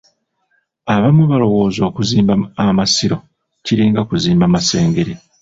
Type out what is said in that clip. Abamu balowooza okuzimba amasiro kiringa kuzimba Masengere.